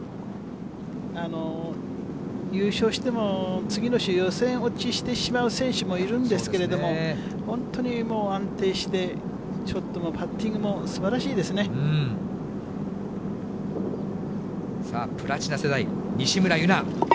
優勝しても、次の週、予選落ちしてしまう選手もいるんですけれども、本当にもう安定して、ショットもパッティングもすばらしいでさあ、プラチナ世代、西村優菜。